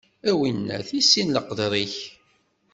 A winnat, issin leqder-ik!